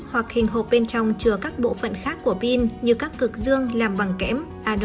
hoặc hình hộp bên trong chứa các bộ phận khác của pin như các cực dương làm bằng kẽm